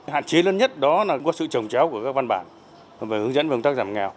hạn chế lớn nhất đó là có sự trồng chéo của các văn bản về hướng dẫn công tác giảm nghèo